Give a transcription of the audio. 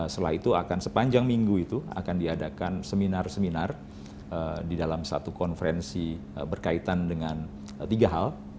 setelah itu akan sepanjang minggu itu akan diadakan seminar seminar di dalam satu konferensi berkaitan dengan tiga hal